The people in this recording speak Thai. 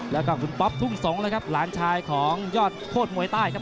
แล้วก็คุณป๊อปทุ่งสงศ์เลยครับหลานชายของยอดโคตรมวยใต้ครับ